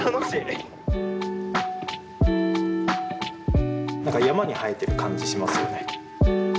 なんか山に生えてる感じしますよね。